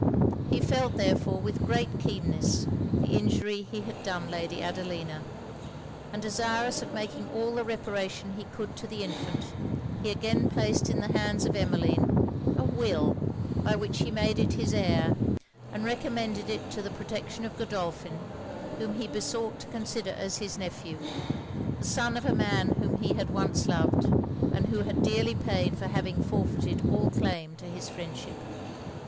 He felt, therefore, with great keenness, the injury he had done Lady Adelina; and desirous of making all the reparation he could to the infant, he again placed in the hands of Emmeline, a will by which he made it his heir, and recommended it to the protection of Godolphin, whom he besought to consider as his nephew, the son of a man whom he had once loved, and who had dearly paid for having forfeited all claim to his friendship.